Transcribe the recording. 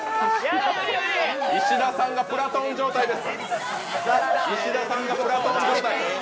石田さんが「プラトーン」状態です。